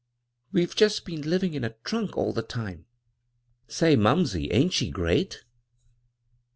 We've just been living in a trunk all the time.* "" Say, mumsey, ain't she great